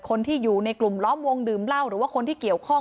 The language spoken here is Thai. คนที่อยู่ในกลุ่มล้อมวงดื่มเหล้าหรือว่าคนที่เกี่ยวข้อง